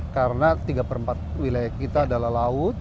karena tiga per empat wilayah kita adalah laut